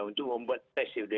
untuk membuat tes